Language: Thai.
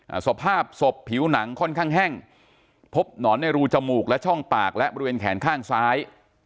อ่าสภาพศพผิวหนังค่อนข้างแห้งพบหนอนในรูจมูกและช่องปากและบริเวณแขนข้างซ้าย